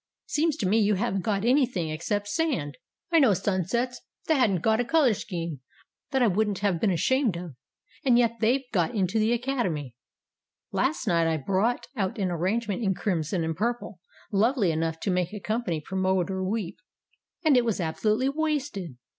"Seems to me you haven't got anything except sand. I've known sunsets that hadn't got a color scheme that I wouldn't have been ashamed of, and yet they've got into the Academy. Last night I brought out an arrangement in crimson and purple, lovely enough to make a company promoter weep, and it was absolutely wasted.